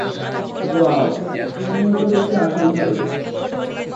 Wow, তুমি ত দেখি আসল ভালুক।